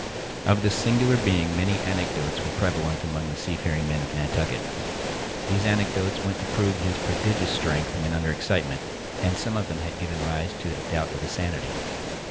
Of this singular being many anecdotes were prevalent among the seafaring men of Nantucket. These anecdotes went to prove his prodigious strength when under excitement, and some of them had given rise to a doubt of his sanity.